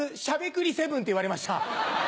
『しゃべくり００７』」って言われました。